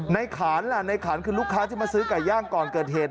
ขานล่ะในขานคือลูกค้าที่มาซื้อไก่ย่างก่อนเกิดเหตุ